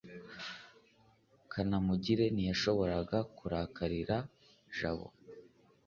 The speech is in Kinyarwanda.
kanamugire ntiyashoboraga kurakarira jabo